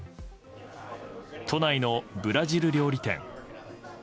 都内のブラジル料理店。